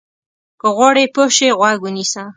که غواړې پوه شې، غوږ ونیسه.